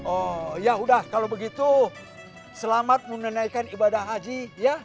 oh ya udah kalau begitu selamat menunaikan ibadah haji ya